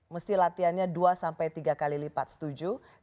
mesti latihannya dua sampai tiga kali lipat setuju